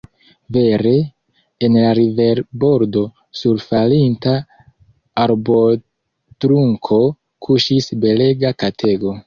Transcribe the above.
Vere, en la riverbordo, sur falinta arbotrunko kuŝis belega katego.